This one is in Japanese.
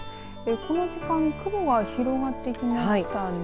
この時間雲が広がってきましたね。